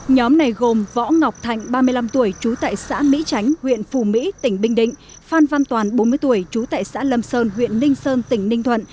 nhóm này gồm võ ngọc thạnh ba mươi năm tuổi trú tại xã mỹ tránh huyện phù mỹ tỉnh bình định phan văn toàn bốn mươi tuổi trú tại xã lâm sơn huyện ninh sơn tỉnh ninh thuận